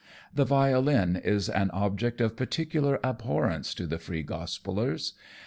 The violin is an object of particular abhorrence to the Free Gospellers.